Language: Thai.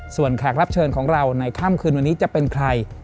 ส่วนแขกรับเชิญของเราในค่ำคืนวันนี้จะเป็นใคร